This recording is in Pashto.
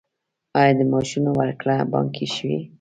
آیا د معاشونو ورکړه بانکي شوې؟